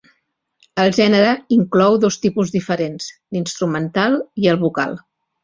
El gènere inclou dos tipus diferents: l'instrumental i el vocal.